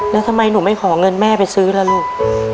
แล้วทำไมหนูไม่ขอเงินแม่ไปซื้อล่ะลูก